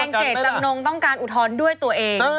เป็นเจตจำนงต้องการอุทธรณ์ด้วยตัวเอง